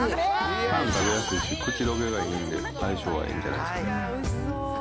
パン食べやすいし、口溶けがいいんで、相性はいいんじゃないですか。